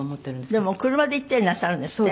でも車で行ったりなさるんですって？